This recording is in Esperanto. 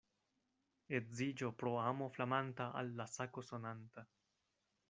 Edziĝo pro amo flamanta al la sako sonanta.